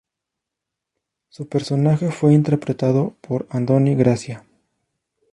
Su personaje fue interpretado por Andoni Gracia.